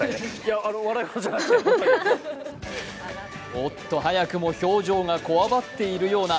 おっと、早くも表情がこわばっているような。